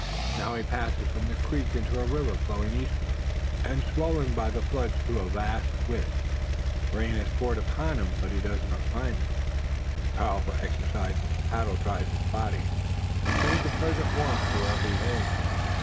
Now he passes from the creek into a river flowing eastward, and swollen by the floods to a vast width. The rain has poured upon him, but he does not mind it. The powerful exercise with the paddles dries his body, and sends the pleasant warmth through every vein.